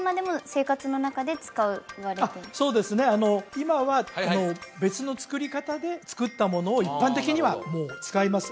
今は別の作り方で作ったものを一般的にはもう使います